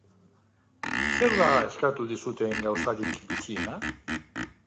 Zer da eskatu dizuten gauzarik bitxiena?